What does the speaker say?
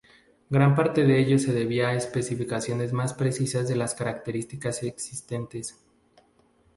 Gran parte de ello se debía a especificaciones más precisas de las características existentes.